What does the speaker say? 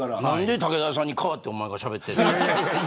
何で武田さんに代わっておまえがしゃべってる。